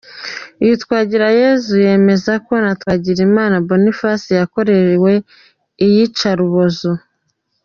Uyu Twagirayezu yemeza ko na Twagirimana Boniface yakorewe iyicarubozo.